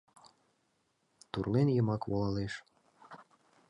Турлен йымак волалеш.